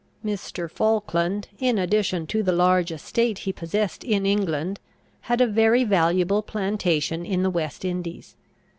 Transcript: Mr. Falkland, in addition to the large estate he possessed in England, had a very valuable plantation in the West Indies.